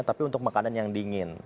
tapi untuk makanan yang dingin